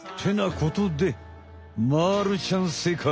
ことでまるちゃん正解。